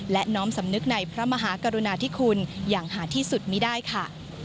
และน้อมสำนึกในพระมหากรุณาธิคุณอย่างหาที่สุดไม่ได้ค่ะ